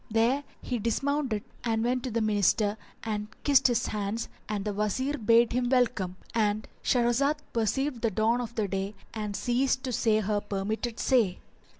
There he dismounted and went in to the Minister and kissed his hands, and the Wazir bade him welcome.—And Shahrazad perceived the dawn of day and ceased to say her permitted say.